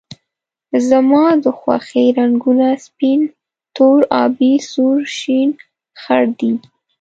زما د خوښې رنګونه سپین، تور، آبي ، سور، شین ، خړ دي